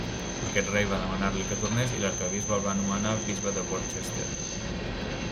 Aquest rei va demanar-li que tornés i l'arquebisbe el va nomenar bisbe de Worcester.